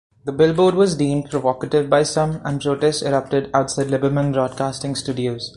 The billboard was deemed provocative by some, and protests erupted outside Liberman Broadcasting studios.